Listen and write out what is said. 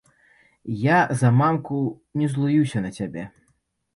Я за мамку не злуюся на цябе.